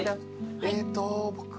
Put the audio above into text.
えっと僕は。